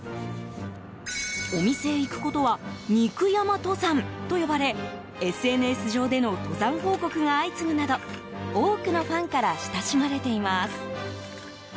お店へ行くことは肉山登山と呼ばれＳＮＳ上での登山報告が相次ぐなど多くのファンから親しまれています。